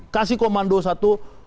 kasih komando satu